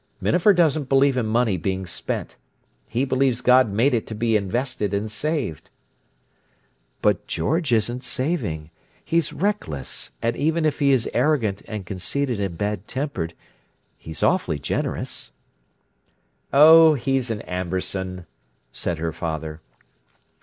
Minafer doesn't believe in money being spent. He believes God made it to be invested and saved." "But George isn't saving. He's reckless, and even if he is arrogant and conceited and bad tempered, he's awfully generous." "Oh, he's an Amberson," said her father.